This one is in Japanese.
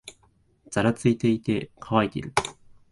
ざらついていて、乾いている